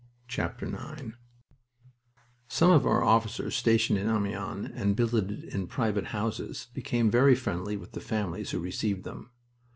IX Some of our officers stationed in Amiens, and billeted in private houses, became very friendly with the families who received them.